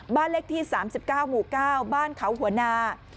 บ้านเลขที่๓๙หมู่๙บ้านเขาหัวนา